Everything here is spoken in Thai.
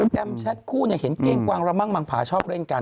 แมมแชทคู่เห็นเก้งกวางระมั่งมังผาชอบเล่นกัน